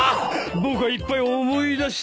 僕はいっぱい思い出した！